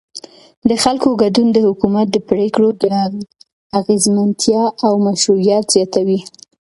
د خلکو ګډون د حکومت د پرېکړو د اغیزمنتیا او مشروعیت زیاتوي